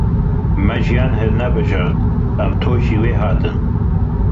Me jiyan hilnebijart, em tûşî wê hatin.